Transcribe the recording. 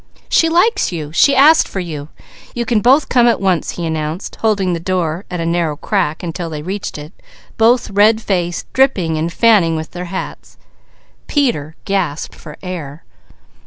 "She likes you. She asked for you. You can both come at once," he announced, holding the door at a narrow crack until they reached it, both red faced, dripping, and fanning with their hats. Peter gasped for air.